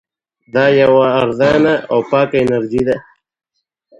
دا یوه ارزانه او پاکه انرژي ده.